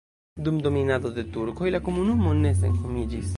Dum dominado de turkoj la komunumo ne senhomiĝis.